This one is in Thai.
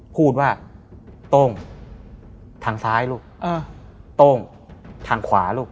พูดว่าโต้งทางซ้ายลูกโต้งทางขวาลูก